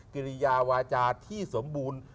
กิริยาวาจาที่สมบูรณ์